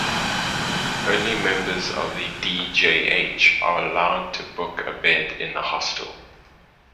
Only members of the DJH are allowed to book a bed in the hostel.